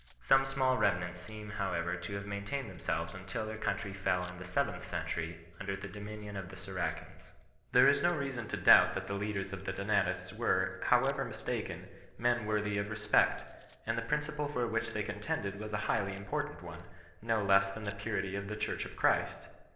Some small remnants seem however to have maintained themselves until their country fell in the seventh century under the dominion of the Saracens. There is no reason to doubt that the leaders of the Donatists were, however mistaken, men worthy of respect ; and the principle for which they contended was a highly important one no less than the purity of the Church of Christ.